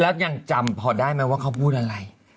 แล้วยังจำพอได้ไหมว่าเขาพูดอะไร